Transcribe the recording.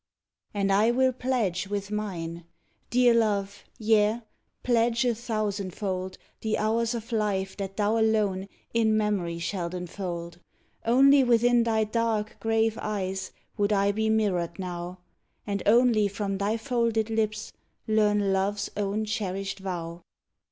"And I will pledge with mine," dear love, yea, pledge a thousand fold The hours of life that thou alone in mem'ry shalt enfold. Only within thy dark, grave eyes would I be mirrored now, And only from thy folded lips learn love's own cherished vow.